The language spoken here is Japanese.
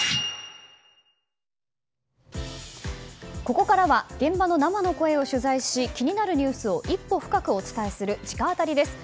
ここからは現場の生の声を取材し、気になるニュースを一歩深くお伝えする直アタリです。